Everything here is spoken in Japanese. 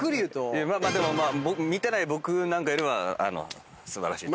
でも見てない僕なんかよりはあの素晴らしいと。